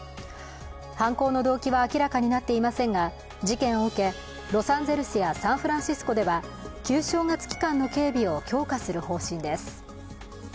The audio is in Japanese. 犯行の動機は明らかになっていませんが、事件を受け、ロサンゼルスやサンフランシスコでは旧正月期間の警備を強化する方針です。